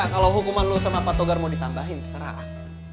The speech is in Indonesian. kalau hukuman lu sama pak togar mau ditambahin terserah